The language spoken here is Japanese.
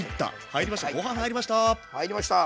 入りました。